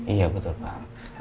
iya betul pak